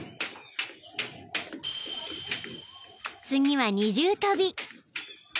［次は二重跳び］